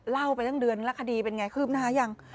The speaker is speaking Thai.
เล่าไปตั้งเดือนแล้วคดีเป็นไงคืบหน้ายัง